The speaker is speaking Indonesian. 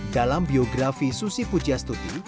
dalam biografi susi pujastuti